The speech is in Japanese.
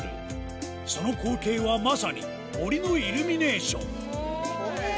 その光景はまさに森のイルミネーションスゴい！